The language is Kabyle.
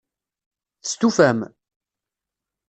Testufam?